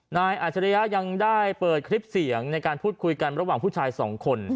อาจริยะยังได้เปิดคลิปเสียงในการพูดคุยกันระหว่างผู้ชายสองคน